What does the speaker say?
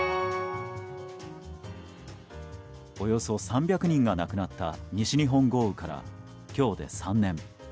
およそ３００人が亡くなった西日本豪雨から今日で３年。